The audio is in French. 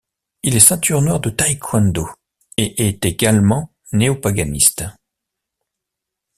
Il est ceinture noire de taekwondo et est également néopaganiste.